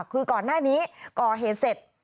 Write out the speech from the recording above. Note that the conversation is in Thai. คือก่อนหน้านี้ก่อเหตุเสร็จ